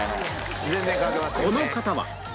この方は